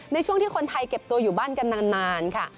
ในช่วงที่คนไทยเก็บตัวอยู่บ้านกันนานค่ะ